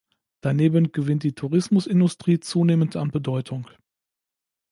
Daneben gewinnt die Tourismusindustrie zunehmend an Bedeutung.